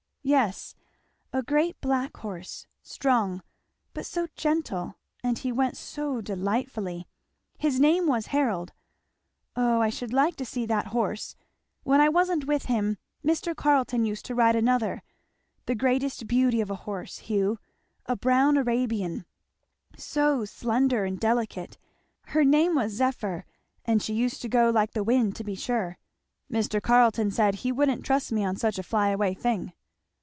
"Yes, a great black horse, strong, but so gentle, and he went so delightfully. His name was Harold. Oh I should like to see that horse! When I wasn't with him, Mr. Carleton used to ride another, the greatest beauty of a horse, Hugh; a brown Arabian so slender and delicate her name was Zephyr, ind she used to go like the wind, to be sure. Mr. Carleton said he wouldn't trust me on such a fly away thing."